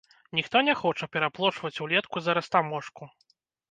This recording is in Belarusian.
Ніхто не хоча пераплочваць улетку за растаможку.